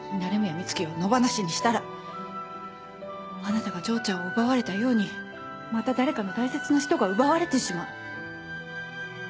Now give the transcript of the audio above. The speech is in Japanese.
美月を野放しにしたらあなたが丈ちゃんを奪われたようにまた誰かの大切な人が奪われてしまう。